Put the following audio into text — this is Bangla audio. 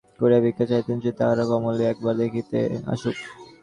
চিকিৎসকদের দ্বারে দ্বারে ভ্রমণ করিয়া ভিক্ষা চাহিতেন যে, তাহারা কমলকে একবার দেখিতে আসুক।